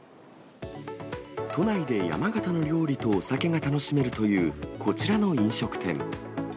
都内で山形の料理とお酒が楽しめるというこちらの飲食店。